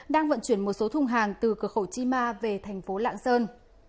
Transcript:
đang vận chuyển một số thu hàng từ cửa khẩu chima về thành phố lạng sơn